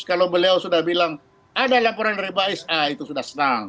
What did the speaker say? kalau beliau sudah bilang ada laporan dari bais ah itu sudah senang